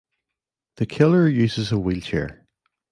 The killer uses a wheelchair.